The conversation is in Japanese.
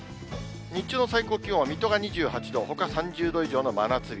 日中の最高気温は水戸が２８度、ほか３０度以上の真夏日。